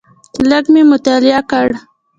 لږ مې مطالعه کړ.